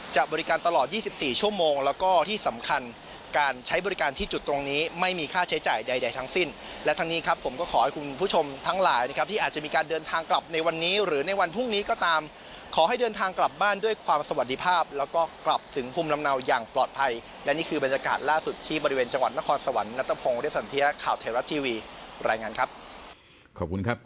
จะบริการตลอด๒๔ชั่วโมงแล้วก็ที่สำคัญการใช้บริการที่จุดตรงนี้ไม่มีค่าใช้จ่ายใดทั้งสิ้นและทางนี้ครับผมก็ขอให้คุณผู้ชมทั้งหลายครับที่อาจจะมีการเดินทางกลับในวันนี้หรือในวันพรุ่งนี้ก็ตามขอให้เดินทางกลับบ้านด้วยความสวัสดีภาพแล้วก็กลับถึงพุมลำเนาอย่างปลอดภัยและนี่คือบรรยาก